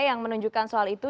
yang menunjukkan soal itu